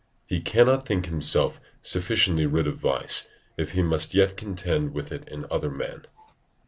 He cannot think himself sufficiently rid of vice, if he must yet contend with it in other men.